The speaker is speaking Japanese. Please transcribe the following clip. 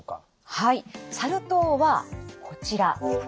サル痘はこちら。